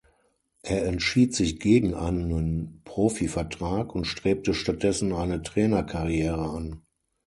Er entschied sich gegen einen Profivertrag und strebte stattdessen eine Trainerkarriere an.